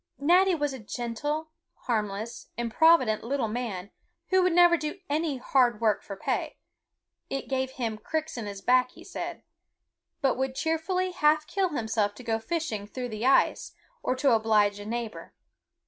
Natty was a gentle, harmless, improvident little man, who would never do any hard work for pay, it gave him cricks in his back, he said, but would cheerfully half kill himself to go fishing through the ice, or to oblige a neighbor.